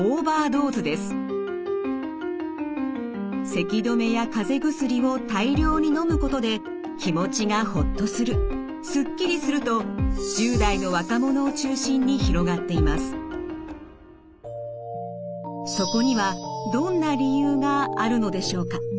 せき止めやかぜ薬を大量にのむことで気持ちがほっとするスッキリすると１０代のそこにはどんな理由があるのでしょうか。